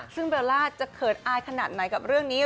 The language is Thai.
ซึ่งเบลล่าจะเขินอายขนาดไหนกับเรื่องนี้